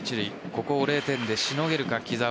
ここを０点でしのげるか、木澤。